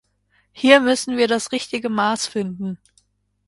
Hier müssen wir das richtige Maß finden.